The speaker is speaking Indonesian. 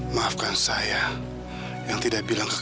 maafkan saya yang tidak bilang ke kamu